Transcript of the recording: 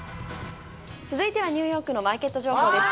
続いてはニューヨークのマーケット情報です。